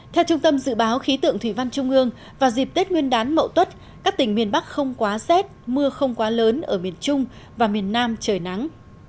theo trung tâm dự báo khí tượng thủy văn trung ương vào dịp tết nguyên đán mậu tuất các tỉnh miền bắc không quá rét mưa không quá lớn ở miền trung và miền nam trời nắng